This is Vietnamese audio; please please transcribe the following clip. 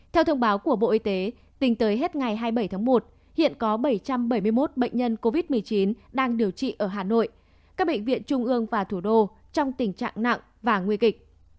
theo thông báo của bộ y tế tính tới hết ngày hai mươi bảy tháng một hiện có bảy trăm bảy mươi một bệnh nhân covid một mươi chín đang điều trị ở hà nội các bệnh viện trung ương và thủ đô trong tình trạng nặng và nguy kịch